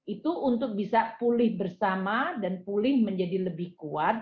itu untuk bisa pulih bersama dan pulih menjadi lebih kuat